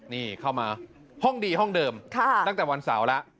นี่เข้ามาห้องดีห้องเดิมตั้งแต่วันเสาร์แล้ว